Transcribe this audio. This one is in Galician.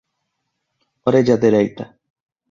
orella dereita.